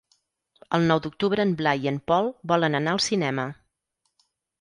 El nou d'octubre en Blai i en Pol volen anar al cinema.